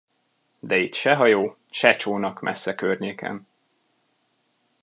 De itt se hajó, se csónak messze környéken.